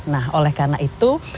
nah oleh karena itu